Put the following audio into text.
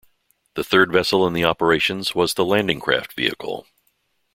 The third vessel in the operations was the Landing Craft Vehicle.